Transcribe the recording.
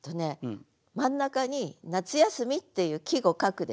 真ん中に「夏休」っていう季語書くでしょ。